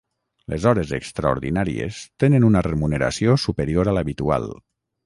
Les hores extraordinàries tenen una remuneració superior a l'habitual.